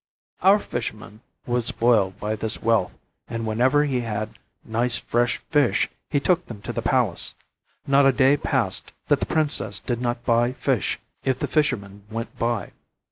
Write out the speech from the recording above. Our fisherman was spoiled by this wealth, and whenever he had nice fresh fish he took them to the palace; not a day passed that the princess did not buy fish if the fisherman went by.